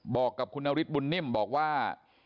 บอกกับคุณนฤทธบุญนิ่มบอกว่า